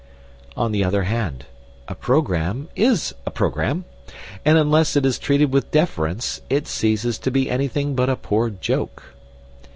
On the other hand, a programme is a programme. And unless it is treated with deference it ceases to be anything but a poor joke.